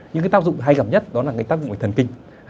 những cái tác dụng hay gặp nhất đó là cái tác dụng của thần kinh